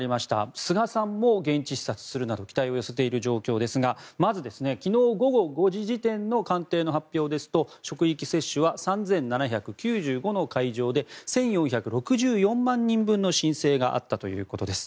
菅さんも現地視察するなど期待を寄せている状況ですがまず、昨日午後５時時点の官邸の発表ですと職域接種は３７９５の会場で１４６４万人分の申請があったということです。